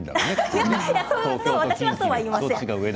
私は、そうは言いません。